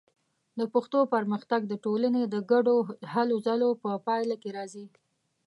د پښتو پرمختګ د ټولنې د ګډو هلو ځلو په پایله کې راځي.